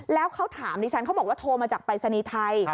แล้วเขาถามดิฉันเขาบอกว่าโทรมาจากปรายศนีย์ไทย